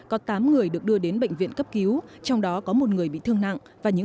có tám người được đưa đến bệnh viện cấp cứu trong đó có một người bị thương nặng và những